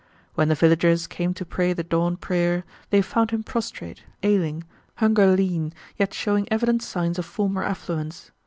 When the villagers came to pray the dawn prayer, they found him prostrate, ailing, hunger lean, yet showing evident signs of former affluence.